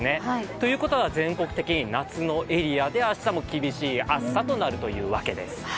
ということは全国的に夏のエリアで、明日も厳しい暑さとなるというわけです。